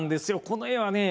この絵はね